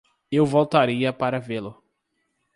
Eu voltaria para vê-lo!